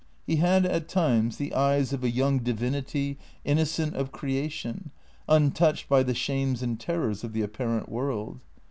He had at times the eyes of a young divinity innocent of creation, untouched by the shames and terrors of the apparent world.